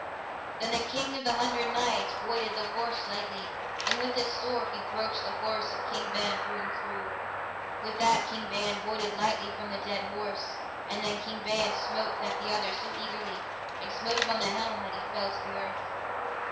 Then the King of the Hundred Knights voided the horse lightly, and with his sword he broached the horse of King Ban through and through. With that King Ban voided lightly from the dead horse, and then King Ban smote at the other so eagerly, and smote him on the helm that he fell to the earth.